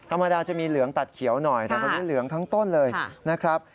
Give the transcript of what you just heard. ธรรมดาจะมีเหลืองตัดเขียวหน่อยแต่ตอนนี้เหลืองทั้งต้นเลยนะครับ